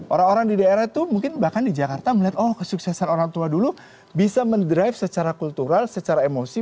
orang orang di daerah itu mungkin bahkan di jakarta melihat oh kesuksesan orang tua dulu bisa mendrive secara kultural secara emosi